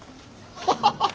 アハハハ。